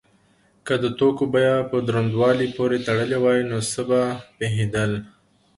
که د توکو بیه په دروندوالي پورې تړلی وای نو څه به پیښیدل؟